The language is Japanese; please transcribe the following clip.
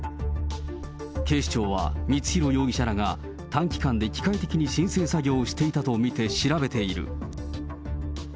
警視庁は、光弘容疑者らが短期間で機械的に申請作業をしていたと見て調べている。